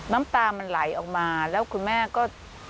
น้ำตามันไหลออกมาแล้วคุณแม่ก็